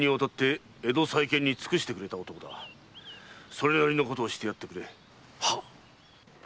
それなりのことをしてやってくれ。